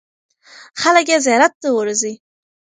خلک یې زیارت ته ورځي.